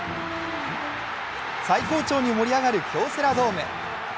最高潮に盛り上がる京セラドーム。